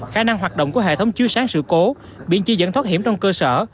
khả năng hoạt động của hệ thống chứa sáng sự cố biện chi dẫn thoát hiểm trong cơ sở